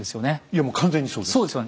いやもう完全にそうです。